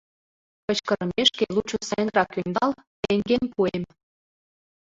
Кычкырымешке, лучо сайынрак ӧндал, теҥгем пуэм.